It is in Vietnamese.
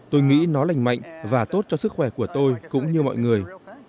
tôi nghĩ nó lành mạnh và tốt cho sức khỏe của tôi cũng như mọi người